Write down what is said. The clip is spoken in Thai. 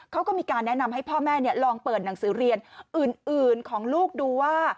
เขาก็มีการแนะนำให้พ่อแม่ลองเปิดหนังสือเรียนอื่นของลูกดูว่า